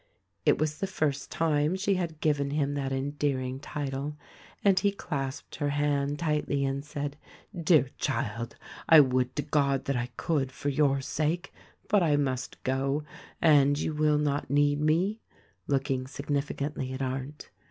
It was the first time she had given him that endearing title ; and he clasped her hand tightly and said : "Dear child, I would to God that I could, for your sake — but I must go ; and you will not need me," looking significantly at Arndt.